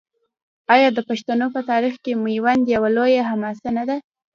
آیا د پښتنو په تاریخ کې میوند یوه لویه حماسه نه ده؟